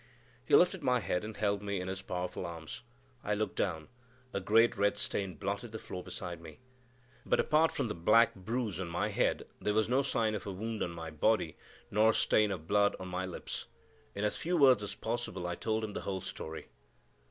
He lifted my head and held me in his powerful arms. I looked down: a great red stain blotted the floor beside me. But, apart from the black bruise on my head, there was no sign of a wound on my body, nor stain of blood on my lips. In as few words as possible I told him the whole story.